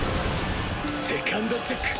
セカンドチェック！